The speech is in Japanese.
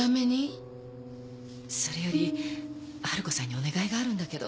それより春子さんにお願いがあるんだけど。